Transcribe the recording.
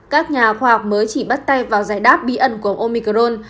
các nhà khoa học mới chỉ bắt tay vào giải đáp bí ẩn của ông omicron